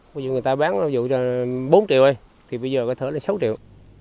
ví dụ người ta bán nó ví dụ bốn triệu đây thì bây giờ có thể là sáu triệu